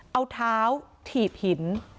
เอาเท้าถีบหิน